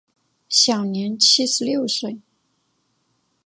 享年七十六岁。